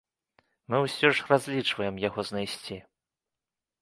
Мы ўсё ж разлічваем яго знайсці.